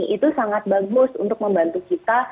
itu sangat bagus untuk membantu kita